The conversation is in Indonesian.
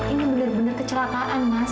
ini benar benar kecelakaan mas